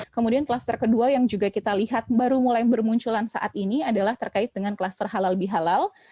kemudian kluster kedua yang juga kita lihat baru mulai bermunculan saat ini adalah terkait dengan kluster halal bihalal